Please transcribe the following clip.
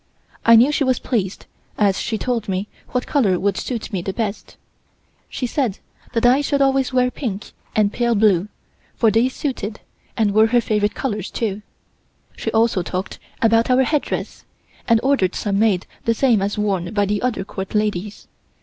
I knew she was pleased, as she told me what color would suit me the best. She said that I should always wear pink and pale blue, for they suited, and were her favorite colors, too. She also talked about our headdress, and ordered some made the same as worn by the other Court ladies.